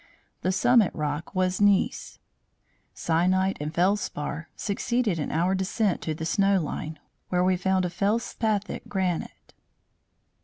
The summit rock was gneiss. Sienite and feldspar succeeded in our descent to the snow line, where we found a felspathic granite.